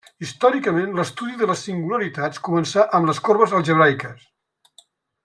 Històricament, l'estudi de les singularitats començà amb les corbes algebraiques.